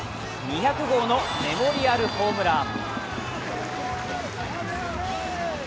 ２００号のメモリアルホームラン。